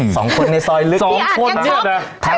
สวัสดีครับ